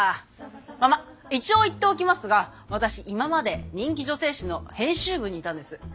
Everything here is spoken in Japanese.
ままっ一応言っておきますが私今まで人気女性誌の編集部にいたんです。